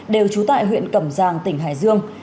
đều trú tại huyện cẩm giang tỉnh hải dương